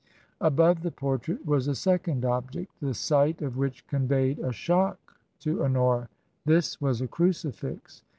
Above the portrait was a second object, the sight of which conveyed a shock to Honora. This was a cru cifix.